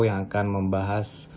yang akan membahas